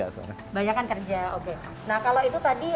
nah kalau itu tadi ruang kerja kecil